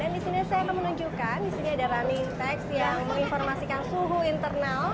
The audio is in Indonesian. dan di sini saya akan menunjukkan di sini ada running text yang menginformasikan suhu internal